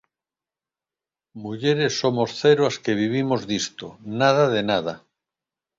Mulleres somos cero as que vivimos disto, nada de nada.